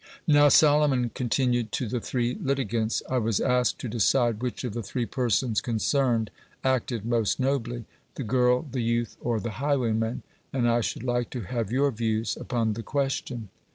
"Now," Solomon continued to the three litigants, "I was asked to decide which of the three persons concerned acted most nobly, the girl, the youth, or the highwayman, and I should like to have your views upon the question."